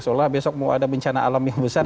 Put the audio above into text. seolah besok mau ada bencana alam yang besar